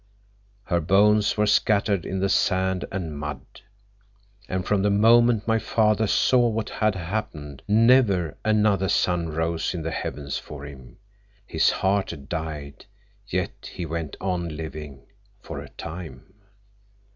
Her bones were scattered in the sand and mud. And from the moment my father saw what had happened, never another sun rose in the heavens for him. His heart died, yet he went on living—for a time."